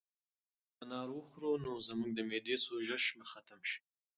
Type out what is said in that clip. که موږ انار وخورو نو زموږ د معدې سوزش به ختم شي.